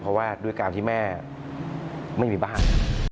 เพราะว่าด้วยการที่แม่ไม่มีบ้าน